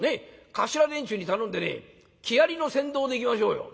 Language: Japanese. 頭連中に頼んでね木遣りの先導で行きましょうよ。